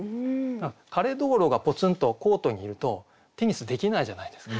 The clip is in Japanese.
枯蟷螂がポツンとコートにいるとテニスできないじゃないですか。